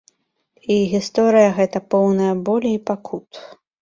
І гісторыя гэтая поўная болі і пакут.